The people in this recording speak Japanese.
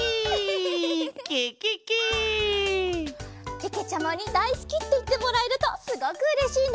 けけちゃまにだいすきっていってもらえるとすごくうれしいな。